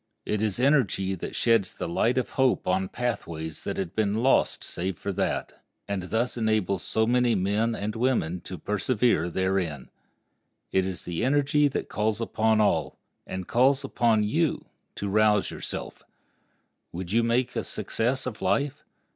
It is energy that sheds the light of hope on pathways that had been lost save for that, and thus enables so many men and women to persevere therein. It is energy that calls upon all—and calls upon you—to rouse yourself. Would you make a success of life?